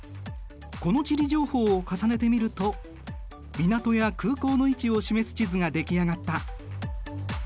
この地理情報を重ねてみると港や空港の位置を示す地図が出来上がった。